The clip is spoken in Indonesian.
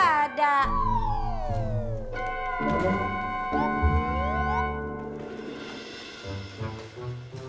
berarti nya gak ada